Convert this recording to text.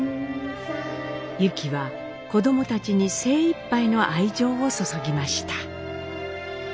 ユキは子どもたちに精いっぱいの愛情を注ぎました。